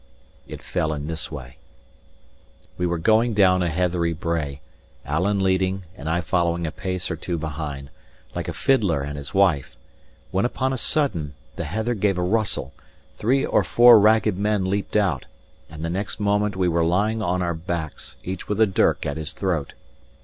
It fell in this way. We were going down a heathery brae, Alan leading and I following a pace or two behind, like a fiddler and his wife; when upon a sudden the heather gave a rustle, three or four ragged men leaped out, and the next moment we were lying on our backs, each with a dirk at his throat.